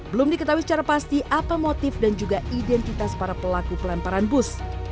belum diketahui secara pasti apa motif dan juga identitas para pelaku pelemparan bus